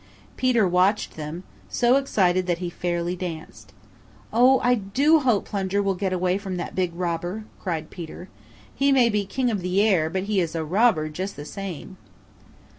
Peter watched them, so excited that he fairly danced. "O, I do hope Plunger will get away from that big robber," cried Peter. "He may be king of the air, but he is a robber just the same."